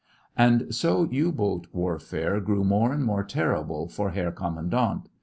And so U boat warfare grew more and more terrible for Herr Kommandant.